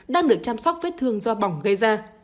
đang được chăm sóc vết thương do bỏng gây ra